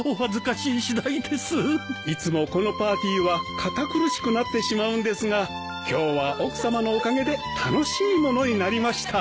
いつもこのパーティーは堅苦しくなってしまうんですが今日は奥さまのおかげで楽しいものになりました。